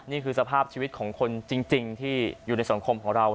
นี่คือสภาพชีวิตของคนจริงที่อยู่ในสังคมของเรา